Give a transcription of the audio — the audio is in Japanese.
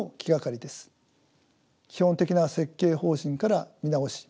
基本的な設計方針から見直し